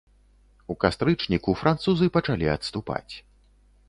У кастрычніку французы пачалі адступаць.